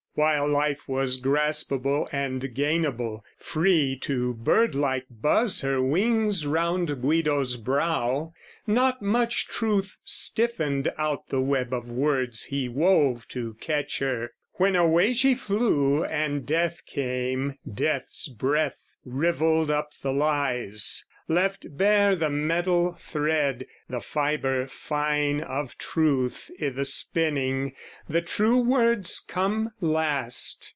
While life was graspable and gainable, free To bird like buzz her wings round Guido's brow, Not much truth stiffened out the web of words He wove to catch her: when away she flew And death came, death's breath rivelled up the lies, Left bare the metal thread, the fibre fine Of truth, i' the spinning: the true words come last.